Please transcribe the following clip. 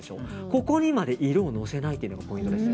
ここにまで色をのせないのがポイントです。